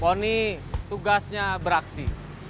forni tugasnya beraksi